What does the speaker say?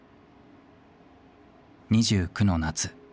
２９の夏。